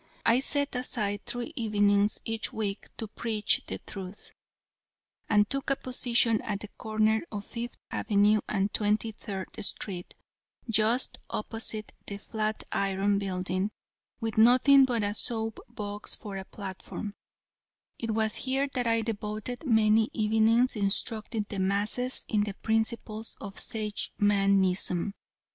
I set aside three evenings each week to preach the Truth, and took a position at the corner of Fifth avenue, and Twenty third street, just opposite the "Flatiron" building, with nothing but a soap box for a platform; it was here that I devoted many evenings instructing the masses in the principles of Sagemanism.